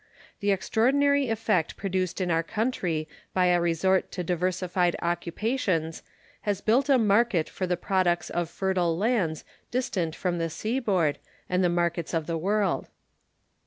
The extraordinary effect produced in our country by a resort to diversified occupations has built a market for the products of fertile lands distant from the seaboard and the markets of the world.